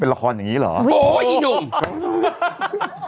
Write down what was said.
เป็นการกระตุ้นการไหลเวียนของเลือด